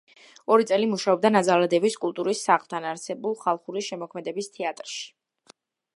ორი წელი მუშაობდა ნაძალადევის კულტურის სახლთან არსებულ ხალხური შემოქმედების თეატრში.